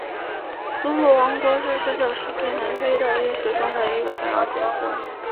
祖鲁王国是十九世纪南非的历史中的一个重要角色。